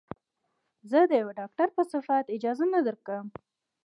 زه د يوه ډاکتر په صفت اجازه نه درکم.